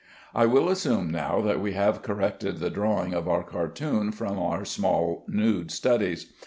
I will assume now that we have corrected the drawing of our cartoon from our small nude studies.